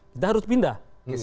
kita harus pindah